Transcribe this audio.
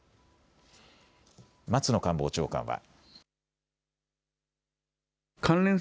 松野官房長官は。